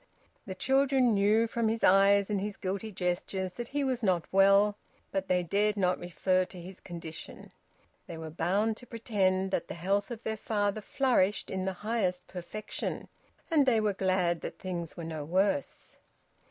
The children knew from his eyes and his guilty gestures that he was not well, but they dared not refer to his condition; they were bound to pretend that the health of their father flourished in the highest perfection. And they were glad that things were no worse.